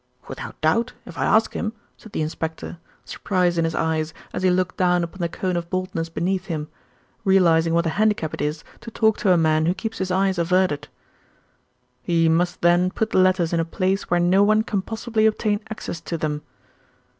"Without doubt if I ask him," said the inspector, surprise in his eyes as he looked down upon the cone of baldness beneath him, realising what a handicap it is to talk to a man who keeps his eyes averted. "He must then put the letters in a place where no one can possibly obtain access to them.